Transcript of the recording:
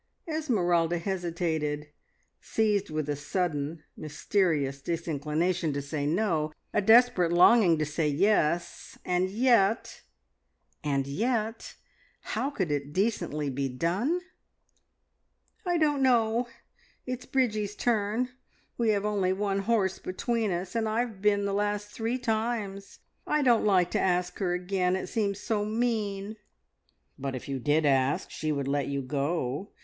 Esmeralda hesitated, seized with a sudden mysterious disinclination to say "No," a desperate longing to say "Yes," and yet and yet, how could it decently be done? "I don't know! It's Bridgie's turn. We have only one horse between us, and I have been the last three times. I don't like to ask her again. It seems so mean." "But if you did ask, she would let you go.